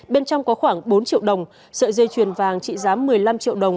bên trong có khoảng bốn triệu đồng sợi dây chuyền vàng trị giá một mươi năm triệu đồng